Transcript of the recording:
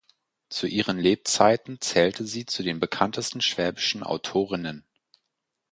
Zu ihren Lebzeiten zählte sie zu den bekanntesten schwäbischen Autorinnen.